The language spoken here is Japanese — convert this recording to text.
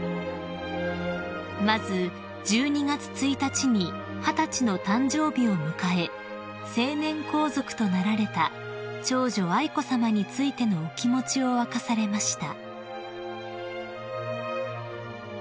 ［まず１２月１日に二十歳の誕生日を迎え成年皇族となられた長女愛子さまについてのお気持ちを明かされました］